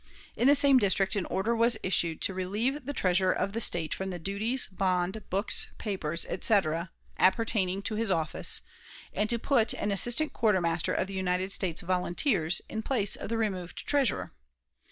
In the same district an order was issued "to relieve the Treasurer of the State from the duties, bond, books, papers, etc.", appertaining to his office, and to put an "assistant quartermaster of the United States Volunteers" in place of the removed Treasurer.